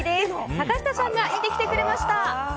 坂下さんが行ってきてくれました。